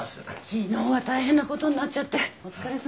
昨日は大変なことになっちゃってお疲れさま。